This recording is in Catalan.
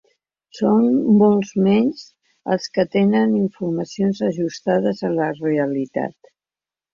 Són molts menys els que tenen informacions ajustades a la realitat.